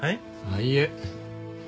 あっいえ。